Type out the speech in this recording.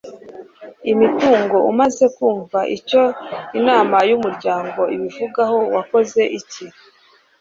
imitungo umaze kumva icyo Inama y umuryango ibivugaho wakoze iki